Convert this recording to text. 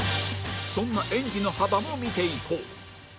そんな演技の幅も見ていこう